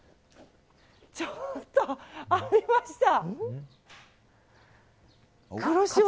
ちょっと、ありました！